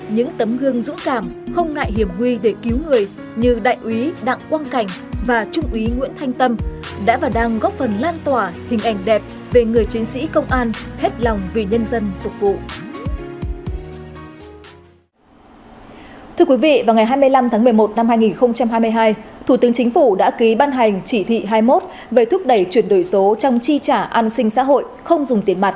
những tấm gương dũng cảm không ngại hiểm huy để cứu người như đại úy đặng quang cảnh và trung úy nguyễn thanh tâm đã và đang góp phần lan tỏa hình ảnh đẹp về người chiến sĩ công an thết lòng vì nhân dân phục vụ